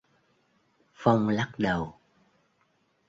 Phong lắc đầu